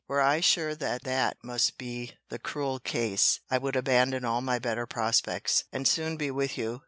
Were I sure that that must be the cruel case, I would abandon all my better prospects, and soon be with you.